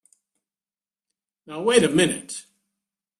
Now wait a minute!